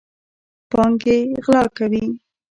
پانګې غلا کوي.